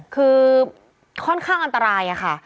คือค่อนข้างอันตรายค่ะ